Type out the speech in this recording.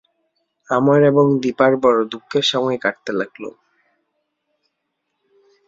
আমার এবং দিপার বড় দুঃখের সময় কাটতে লাগল।